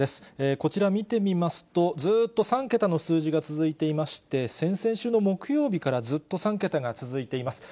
こちら、見てみますと、ずっと３桁の数字が続いていまして、先々週の木曜日から、ずっと３桁が続いています。